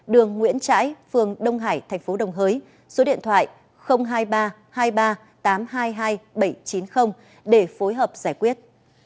đường nguyễn trãi phường đông hải thành phố đồng hới số điện thoại hai mươi ba hai mươi ba tám trăm hai mươi hai bảy trăm chín mươi để phối hợp giải quyết